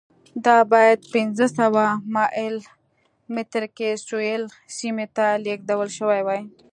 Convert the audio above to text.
دا باید پنځه سوه مایل مترۍ کې سویل سیمې ته لېږدول شوې وای.